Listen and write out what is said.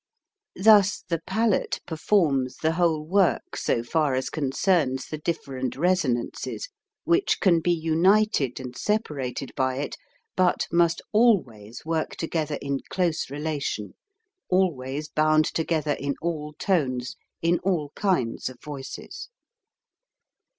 : Thus the palate performs the whole work so far as concerns the different resonances, which can be united and separated by it, but must always work together in close relation, always bound together in all tones, in all kinds of voices.